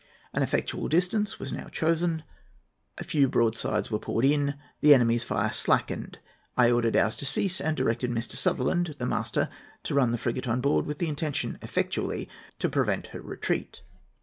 An effectual distance was now chosen. A few broadsides were poured in. The enemy's fire slackened. I ordered ours to cease, and directed Mr. Sutherland, the master, to run the frigate on board, with intention effectually to prevent her retreat.